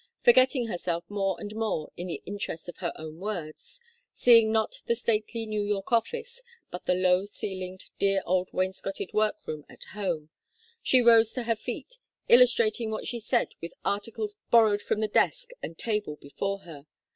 Forgetting herself more and more in the interest of her own words, seeing not the stately New York office, but the low ceiled, dear old wainscoted workroom at home, she rose to her feet, illustrating what she said with articles borrowed from the desk and table before her.